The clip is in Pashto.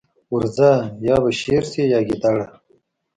ورځه! يا به شېر شې يا ګيدړه.